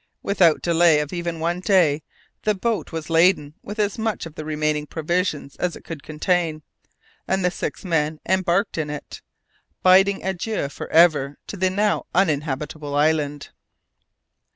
Without the delay of even one day, the boat was laden with as much of the remaining provisions as it could contain, and the six men embarked in it, bidding adieu for ever to the now uninhabitable island.